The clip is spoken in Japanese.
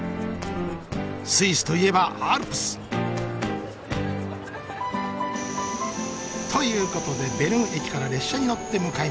スイスといえばアルプス。ということでベルン駅から列車に乗って向かいます。